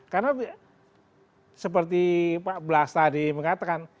karena seperti pak blas tadi mengatakan